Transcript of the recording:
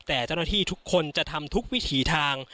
แต่เจ้าหน้าที่ทุกคนจะทำทุกวิถีทาง